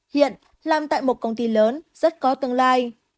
hiện làm tại một công ty lớn rất có tương lai